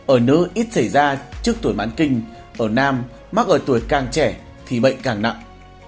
ở nữ ít xảy ra trước tuổi bán kinh ở nam mắc ở tuổi càng trẻ thì bệnh càng nặng